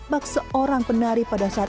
bag seorang penari pada saat ini